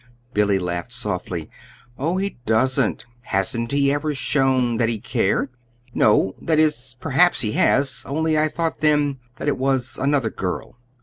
Billy laughed softly. "Oh, doesn't he! Hasn't he ever shown that he cared?" "No; that is perhaps he has, only I thought then that it was another girl."